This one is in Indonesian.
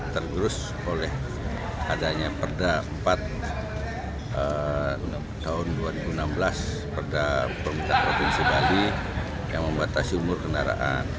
tergerus oleh adanya perda empat tahun dua ribu enam belas perda pemerintahan provinsi bali yang membatasi umur kendaraan